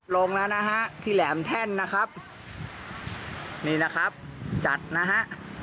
ลงแล้วนะฮะที่แหลมแท่นนะครับนี่นะครับจัดนะฮะ